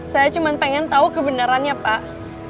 saya cuma pengen tahu kebenarannya pak